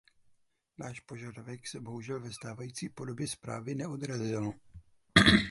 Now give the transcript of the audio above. Náš požadavek se bohužel ve stávající podobě zprávy neodrazil.